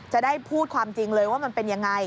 จะได้พูดความจริงเลยว่ามันเป็นยังไง